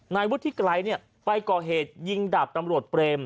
นายวุฒิไกรไปก่อเหตุยิงดาบตำรวจเปรม